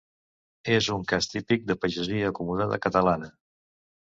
És un cas típic de pagesia acomodada catalana.